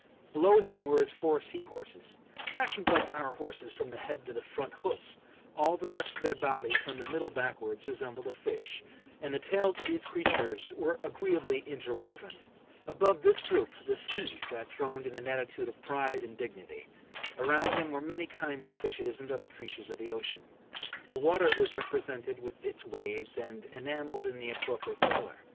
Below him were his four sea horses, fashioned like our horses from the head to the front hoofs; all the rest of their body, from the middle backwards, resembled a fish, and the tails of these creatures were agreeably inter woven. Above this group the Sea sat throned in an attitude of pride and dignity; around him were many kinds of fishes and other creatures of the ocean. The water was represented with its waves, and enamelled in the appropriate colour.